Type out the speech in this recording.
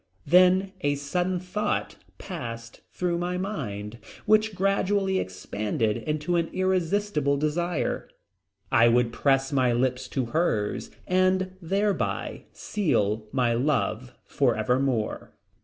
Then a sudden thought passed through my mind which gradually expanded into an irresistible desire; I would press my lips to hers and thereby seal my love forevermore.